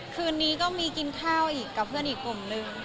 คืนนี้ก็มีกินข้าวอีกกับเพื่อนอีกกลุ่มนึง